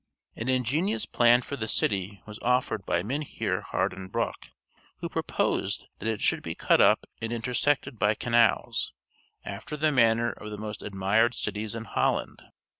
An ingenious plan for the city was offered by Mynheer Harden Broeck, who proposed that it should be cut up and intersected by canals, after the manner of the most admired cities in Holland.